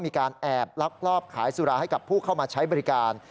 มีการแอบลักลอบขายสุราให้กับผู้เข้ามาใช้บริการ